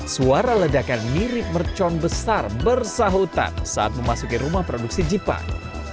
suara ledakan mirip mercon besar bersahutan saat memasuki rumah produksi jepang